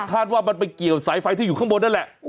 ว่ามันไปเกี่ยวสายไฟที่อยู่ข้างบนนั่นแหละ